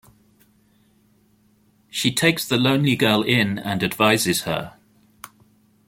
She takes the lonely girl in and advises her.